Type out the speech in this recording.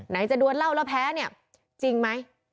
จะดวนเหล้าแล้วแพ้เนี่ยจริงไหม